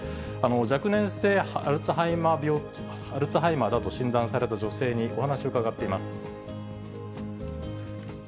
若年性アルツハイマーだと診断された女性にお話を伺っています。